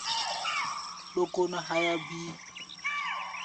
Dókó nɛ́ háyá bíí.